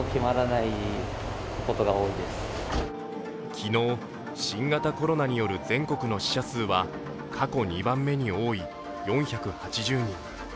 昨日、新型コロナによる全国の死者数は過去２番目に多い４８０人。